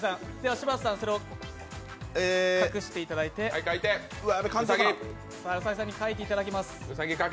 柴田さん、それを隠していただいて兎さんに描いていただきます。